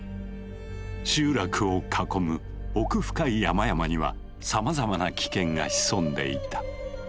集落を囲む奥深い山々にはさまざまな危険が潜んでいた。